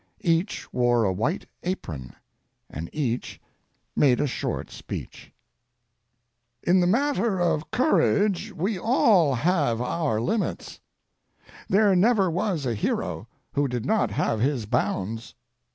Each wore a white apron, and each made a short speech. In the matter of courage we all have our limits. There never was a hero who did not have his bounds.